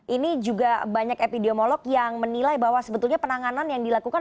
ini juga banyak epidemiolog yang menilai bahwa sebetulnya penanganan yang dilakukan